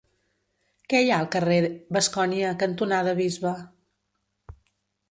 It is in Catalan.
Què hi ha al carrer Bascònia cantonada Bisbe?